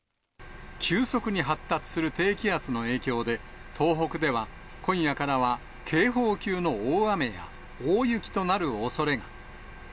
急速に発達する低気圧の影響で、東北では今夜からは警報級の大雨や、大雪となるおそれが。